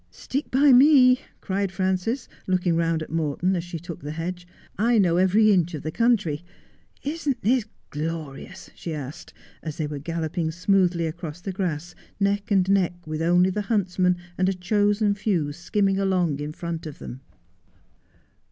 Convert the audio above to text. ' Stick by me,' cried Frances, looking round at Morton, as she took the hedge. ' I know every inch of the country. Isn't this glorious 1 ' she asked, as they were galloping smoothly across the grass, neck and neck, with only the huntsman and a chosen few skimming along in front of them.